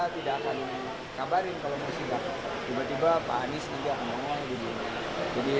tiba tiba pak anies tidak mengenai gedungnya